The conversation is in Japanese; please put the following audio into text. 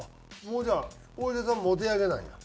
もうじゃあお医者さんもお手上げなんや？